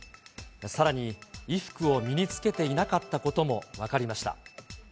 さらに、衣服を身に着けていなかったことも分かりました。